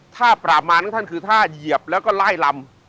ถ้าปราบมานของท่านคือท่าเหยียบแล้วก็ไล่ลำ